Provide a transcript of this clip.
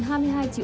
thầy và chò